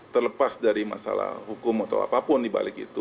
terlepas dari masalah hukum atau apapun dibalik itu